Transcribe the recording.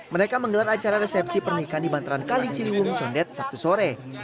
mereka menggelar acara resepsi pernikahan di bantaran kali ciliwung condet sabtu sore